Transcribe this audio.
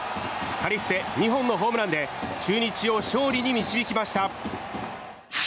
カリステ、２本のホームランで中日を勝利に導きました。